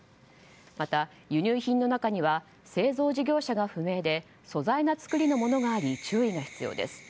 また、輸入品の中には製造事業者が不明で粗雑な作りのものがあり注意が必要です。